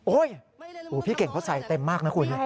พี่เก่งเขาใส่เต็มมากนะคุณ